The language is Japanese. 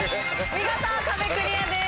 見事壁クリアです。